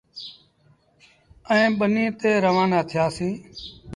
ائيٚݩ ٻنيٚ تي روآنآ ٿيٚآسيٚݩ ۔